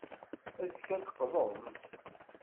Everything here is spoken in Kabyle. Azekka, ad d-teqḍum.